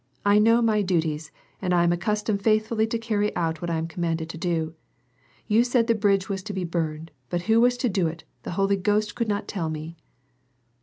1 know my duties, and I am accustomed faithfully to carry out what I am com manded to do. You said the bridge was to be burned, but who was to do it, the Holy Ghost could not tell me."